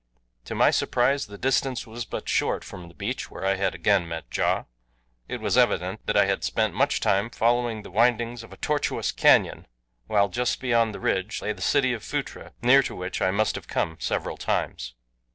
To my surprise the distance was but short from the beach where I had again met Ja. It was evident that I had spent much time following the windings of a tortuous canyon, while just beyond the ridge lay the city of Phutra near to which I must have come several times.